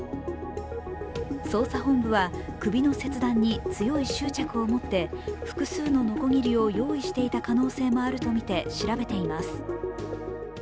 捜査本部は首の切断に強い執着を持って複数ののこぎりを用意していた可能性もあるとみて調べています。